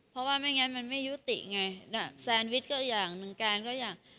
เพราะว่าไม่งั้นมันไม่ยุติไงน่ะแซนวิชก็อย่างหนึ่งการก็อย่าง